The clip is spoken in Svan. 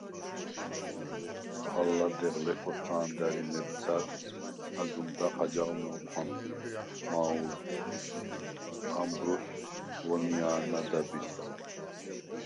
ალ ლადეღ ლეკოსა̄ნდარ ი მებცარ აგმჷდახ აჯახ მუ̄რყვამს მაუ̄ლდს ამბროს ვონია̄ნა დაბისა.